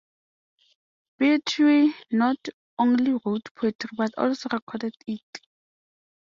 Pietri not only wrote poetry but also recorded it.